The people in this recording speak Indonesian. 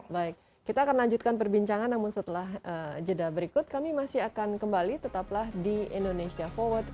baik kita akan lanjutkan perbincangan namun setelah jeda berikut kami masih akan kembali tetaplah di indonesia forward